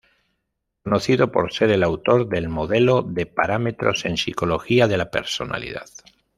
Conocido por ser el autor del Modelo de Parámetros en Psicología de la Personalidad.